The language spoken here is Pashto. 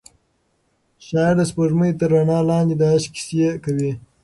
شاعر د سپوږمۍ تر رڼا لاندې د عشق کیسې کوي.